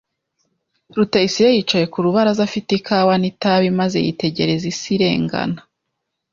Rutayisire yicaye ku rubaraza afite ikawa n'itabi maze yitegereza isi irengana.